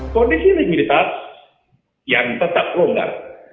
kondisi likuiditas yang tetap longgar